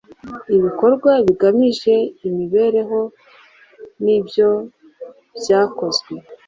ibikorwa bigamije imibereho nibyobyakozwe.